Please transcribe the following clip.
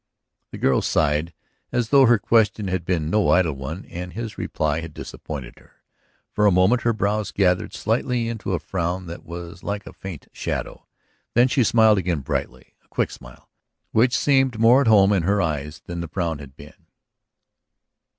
The girl sighed, as though her question had been no idle one and his reply had disappointed her. For a moment her brows gathered slightly into a frown that was like a faint shadow; then she smiled again brightly, a quick smile which seemed more at home in her eyes than the frown had been.